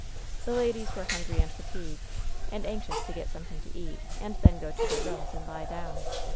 The ladies were hungry and fatigued, and anxious to get something to eat, and then tojgo to their rooms and lie down.